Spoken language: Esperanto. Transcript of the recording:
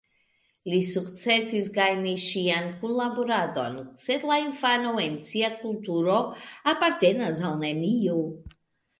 Li sukcesis gajni ŝian kunlaboradon, sed la infano en sia kulturo apartenas al neniu.